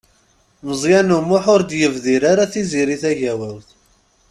Meẓyan U Muḥ ur d-yebdir ara Tiziri Tagawawt.